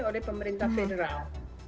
oleh pemerintah federal